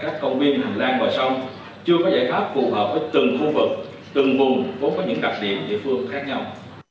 chưa có giải pháp phù hợp với từng khu vực từng nguồn có những đặc điểm địa phương khác nhau